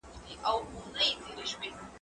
زه به سبا مېوې وچوم وم!.